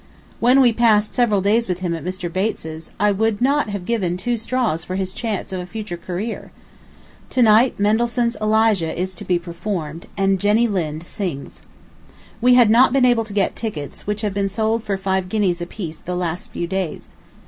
When we passed several days with him at Mr. Bates's, I would not have given two straws for his chance of a future career. To night Mendelssohn's "Elijah" is to be performed, and Jenny Lind sings. We had not been able to get tickets, which have been sold for five guineas apiece the last few days.